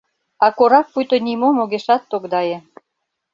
А корак пуйто нимом огешат тогдае.